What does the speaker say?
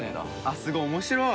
すごい面白い。